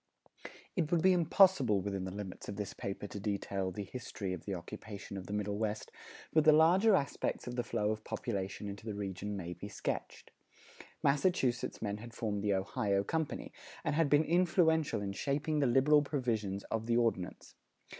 It would be impossible within the limits of this paper to detail the history of the occupation of the Middle West; but the larger aspects of the flow of population into the region may be sketched. Massachusetts men had formed the Ohio Company, and had been influential in shaping the liberal provisions of the Ordinance.